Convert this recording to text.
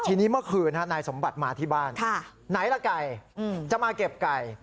ทีนี้เมื่อคืนนายสมบัติมาที่บ้านไหนล่ะไก่จะมาเก็บไก่